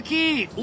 お！